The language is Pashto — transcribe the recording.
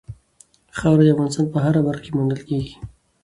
خاوره د افغانستان په هره برخه کې موندل کېږي.